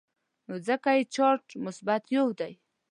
نو ځکه یې چارج مثبت یو دی.